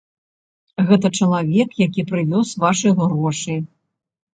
Гэта чалавек, які прывёз вашы грошы.